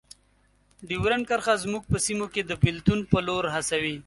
ډیورنډ کرښه زموږ په سیمو کې د بیلتون په لور هڅوي.